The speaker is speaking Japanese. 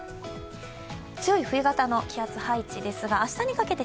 強い冬型の気圧配置ですが、明日にかけて